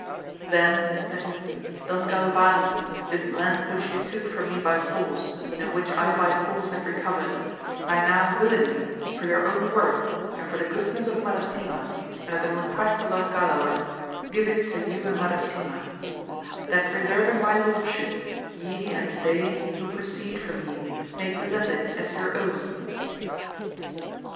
Then, said he, Don Galvanes, this land which you took from me by force, and which I by force have recovered, I now willingly, for your own worth, and for the goodness of Madasima, and at the request of Don Galaor, give it to you and Madasima ; that reserving' my lordship ye and they who proceed from ye may possess it as your own.